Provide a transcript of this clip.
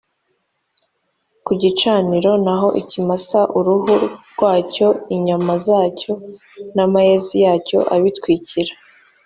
ku gicaniro naho ikimasa uruhu rwacyo inyama zacyo n amayezi yacyo abitwikira